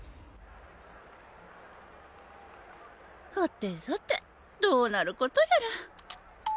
はてさてどうなることやら。